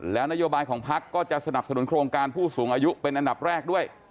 แล้วนโยบายของพักก็จะสนับสนุนโครงการผู้สูงอายุเป็นอันดับแรกด้วย